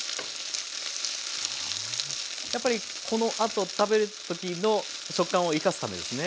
やっぱりこのあと食べる時の食感を生かすためですね。